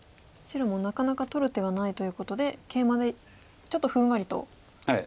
白もなかなか取る手はないということでケイマでちょっとふんわりと。